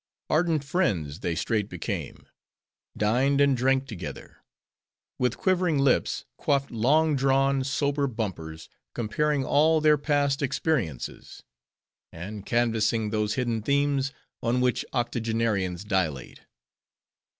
Ardent friends they straight became; dined and drank together; with quivering lips, quaffed long drawn, sober bumpers; comparing all their past experiences; and canvassing those hidden themes, on which octogenarians dilate.